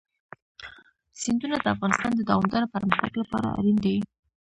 سیندونه د افغانستان د دوامداره پرمختګ لپاره اړین دي.